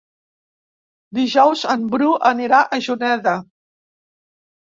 Dijous en Bru anirà a Juneda.